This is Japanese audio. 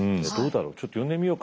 ちょっと呼んでみようか。